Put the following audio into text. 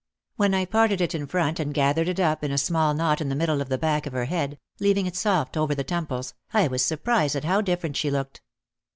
When I parted it in front and gath ered it up in a small knot in the middle of the back of her head, leaving it soft over the temples, I was surprised how different she looked.